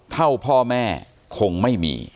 เท่าพ่อแม่คงไม่มี